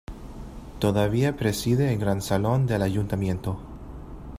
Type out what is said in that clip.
Todavía preside el gran salón del Ayuntamiento.